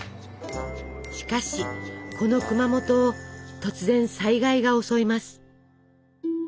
しかしこの熊本を突然災害が襲います。